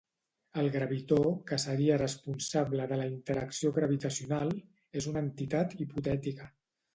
El gravitó, que seria responsable de la interacció gravitacional, és una entitat hipotètica.